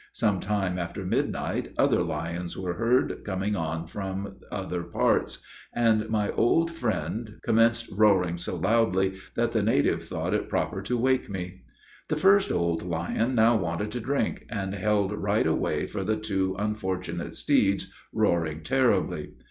Some time after midnight other lions were heard coming on from other airts, and my old friend commenced roaring so loudly that the native thought it proper to wake me. The first old lion now wanted to drink, and held right away for the two unfortunate steeds, roaring terribly.